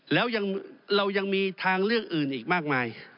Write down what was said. แล้วเรายังมีทางเลือกอื่นอีกมากมาย